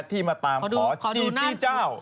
ที่มาตามขอจีบจี้เจ้า